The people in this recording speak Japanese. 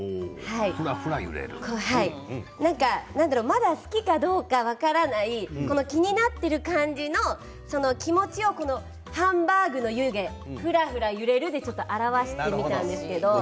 まだ好きかどうか分からない気になっている感じの気持ちをハンバーグの湯気ふらふら揺れるで表してみたんです。